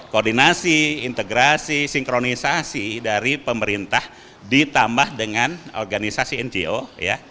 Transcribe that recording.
koordinasi integrasi sinkronisasi dari pemerintah ditambah dengan organisasi ngo ya